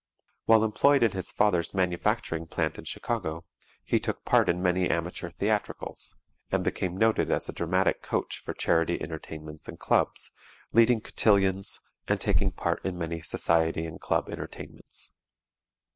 While employed in his father's manufacturing plant in Chicago, he took part in many amateur theatricals, and became noted as a dramatic coach for charity entertainments and clubs, leading cotillions and taking part in many society and club entertainments.